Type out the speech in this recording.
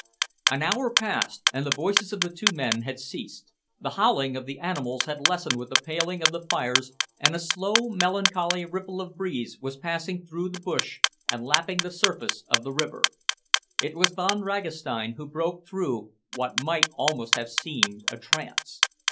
An hour passed, and the voices of the two men had ceased. The howling of the animals had lessened with the paling of the fires, and a slow, melancholy ripple of breeze was passing through the bush and lapping the surface of the river. It was Von Ragastein who broke through what might almost have seemed a trance.